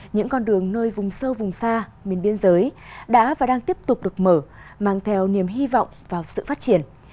những con đường nơi vùng sâu vùng xa miền biên giới đã và đang tiếp tục được mở mang theo niềm hy vọng vào sự phát triển